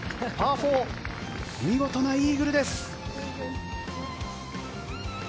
４見事なイーグルです。